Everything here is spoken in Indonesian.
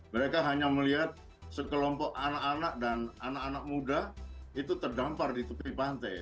mereka hanya melihat sekelompok anak anak dan anak anak muda itu terdampar di tepi pantai